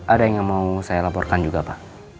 ada yang mau saya laporkan juga pak